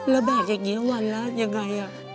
แบกอย่างนี้วันแล้วยังไง